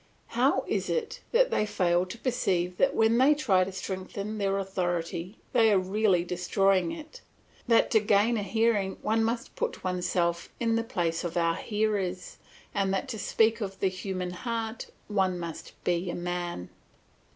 How is it that they fail to perceive that when they try to strengthen their authority they are really destroying it; that to gain a hearing one must put oneself in the place of our hearers, and that to speak to the human heart, one must be a man.